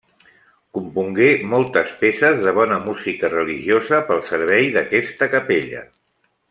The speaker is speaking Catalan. Compongué moltes peces de bona música religiosa pel servei d'aquesta capella.